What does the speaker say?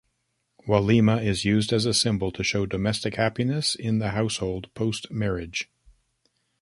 "Walima" is used as a symbol to show domestic happiness in the household post-marriage.